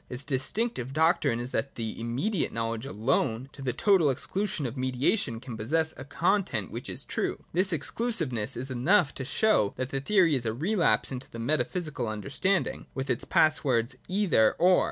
Its distinctive doctrine is that immediate knowledge alone, to the total exclusion of mediation, can possess a con tent which is true. This exclusiveness is enough to show that the theory is a relapse into the metaphysical understanding, with its pass words ' Either — or.'